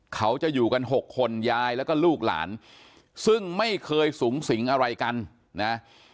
เขาจะอยู่กัน๖คนยายแล้วก็ลูกหลานซึ่งไม่เคยสูงสิงอะไรกันนะ